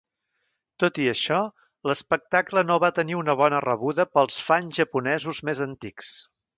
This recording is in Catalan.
Tot i això, l'espectacle no va tenir una bona rebuda pels fans japonesos més antics.